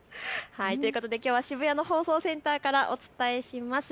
きょうは渋谷の放送センターからお伝えします。